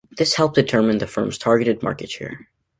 This helps determine the firm's targeted market share.